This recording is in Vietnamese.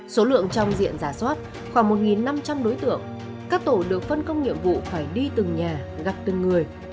số lượng trong diện giả soát khoảng một năm trăm linh đối tượng các tổ được phân công nhiệm vụ phải đi từng nhà gặt từng người